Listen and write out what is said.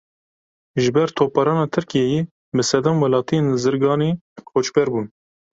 Ji ber topbarana Tirkiyeyê bi sedan welatiyên Zirganê koçber bûn.